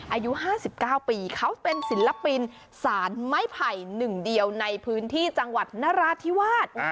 อายุ๕๙ปีเขาเป็นศิลปินสารไม้ไผ่หนึ่งเดียวในพื้นที่จังหวัดนราธิวาส